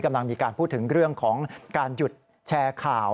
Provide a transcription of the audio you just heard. กำลังมีการพูดถึงเรื่องของการหยุดแชร์ข่าว